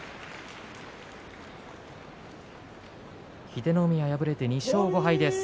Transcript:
英乃海は敗れて２勝５敗です。